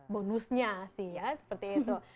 bonusnya sih ya seperti itu